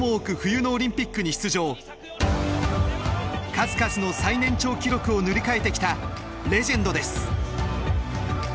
数々の最年長記録を塗り替えてきたレジェンドです。